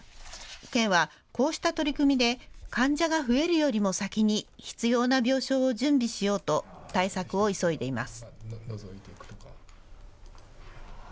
県は、こうした取り組みで患者が増えるよりも先に必要な病床を準備しようと対策を急いでいます。